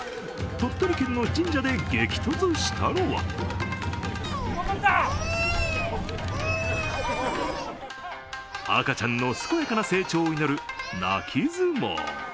鳥取県の神社で激突したのは赤ちゃんの健やかな成長を祈る泣き相撲。